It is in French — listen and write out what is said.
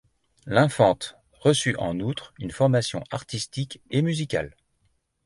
L'infante reçut en outre une formation artistique et musicale.